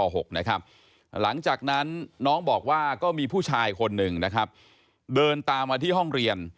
หลังจากนั้นน้องบอกว่าก็มีผู้ชายคนหนึ่งนะครับเดินตามมาที่ห้องเรียน